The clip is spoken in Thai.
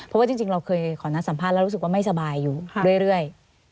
เพราะว่าจริงเราเคยขอนัดสัมภาษณ์แล้วรู้สึกว่าไม่สบายอยู่เรื่อย